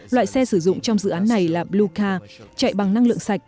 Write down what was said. loại xe sử dụng trong dự án này là bluca chạy bằng năng lượng sạch